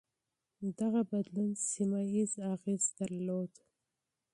دغه بدلون سيمه ييز اغېز درلود.